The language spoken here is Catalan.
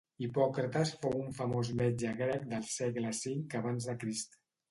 Hipòcrates fou un famós metge grec del segle cinc abans de crist.